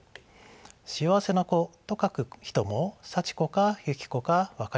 「幸せな子」と書く人も「さちこ」か「ゆきこ」か分かりません。